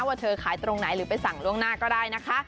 ว่าเธอขายตรงไหนหรือไปสั่งล่วงหน้าก็ได้นะคะ